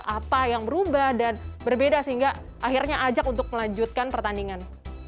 apa yang berubah dan berbeda sehingga akhirnya ajak untuk melanjutkan pertandingan